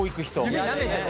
指なめてね。